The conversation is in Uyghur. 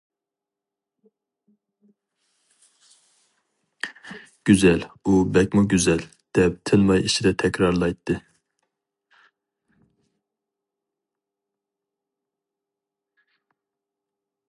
« گۈزەل، ئۇ بەكمۇ گۈزەل» دەپ تىنماي ئىچىدە تەكرارلايتتى.